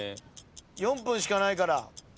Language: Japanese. ４分しかないから。